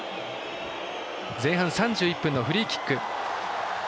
前半３１分のフリーキック。